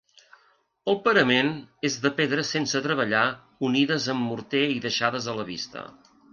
El parament és de pedres sense treballar unides amb morter i deixades a la vista.